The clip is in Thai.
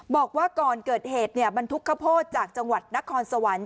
บอกว่าก่อนเกิดเหตุบรรทุกข้าวโพดจากจังหวัดนครสวรรค์